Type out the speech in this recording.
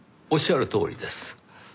おっしゃるとおりです。